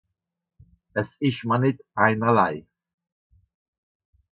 Es ìsch mìr nìtt einerlei.